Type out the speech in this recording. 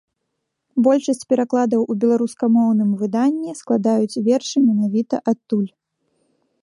Большасць перакладаў у беларускамоўным выданні складаюць вершы менавіта адтуль.